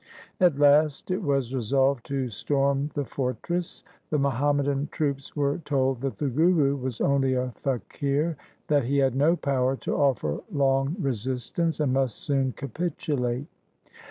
At last it was resolved to storm the fortress. The Muhammadan troops were told that the Guru was only a faqir, that he had no power to offer long resistance, and must soon capitulate.